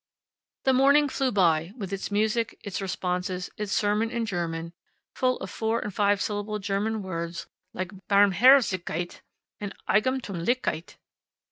The morning flew by, with its music, its responses, its sermon in German, full of four and five syllable German words like Barmherzigkeit and Eigentumlichkeit.